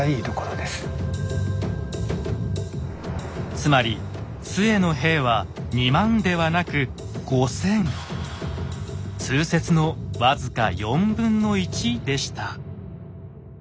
つまり陶の兵は２万ではなく通説の僅か４分の１でした。